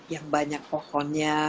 yang banyak pohonnya